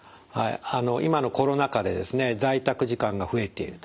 今のコロナ禍で在宅時間が増えていると。